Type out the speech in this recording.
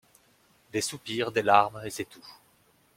Des soupirs, des larmes, et c'est tout.